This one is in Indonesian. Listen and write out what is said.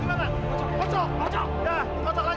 kocok kocok yah kocok lagi